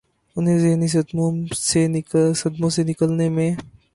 انہیں ذہنی صدموں سے نکلنے میں